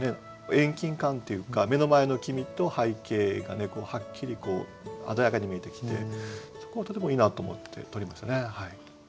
遠近感っていうか目の前のきみと背景がはっきり鮮やかに見えてきてそこがとてもいいなと思って取りましたね。